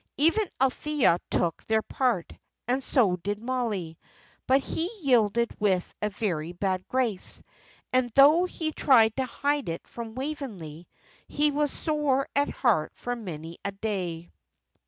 Even Althea took their part, and so did Mollie; but he yielded with a very bad grace, and though he tried to hide it from Waveney, he was sore at heart for many a day.